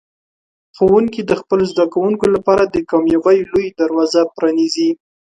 ښوونکي د خپلو زده کوونکو لپاره د کامیابۍ لوی دروازه پرانیزي.